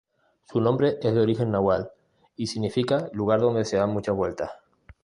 Su nombre es de origen náhuatl y significa ‘Lugar donde se dan muchas vueltas’.